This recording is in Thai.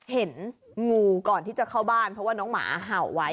เห็นงูก่อนที่จะเข้าบ้านเพราะว่าน้องหมาเห่าไว้